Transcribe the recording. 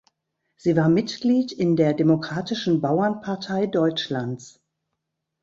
Sie war Mitglied in der Demokratischen Bauernpartei Deutschlands.